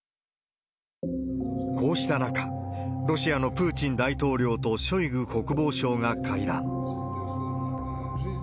こうした中、ロシアのプーチン大統領とショイグ国防相が会談。